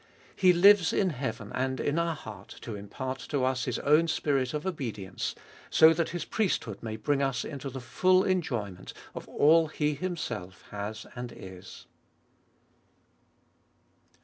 He lives in heaven and in our heart, to impart to us His own spirit of obedience, so that His priesthood may bring us into the full enjoyment of all He Himself has and is.